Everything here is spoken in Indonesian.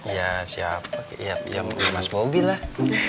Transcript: ya siapa ya ya mas bobby lah